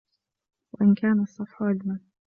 وَإِنْ كَانَ الصَّفْحُ أَجْمَلَ